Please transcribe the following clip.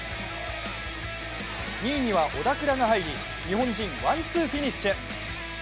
２位には小田倉が入り日本人ワンツーフィニッシュ。